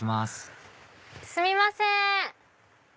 すみません！